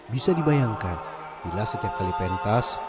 bisa dibayangkan bila setiap kali pentas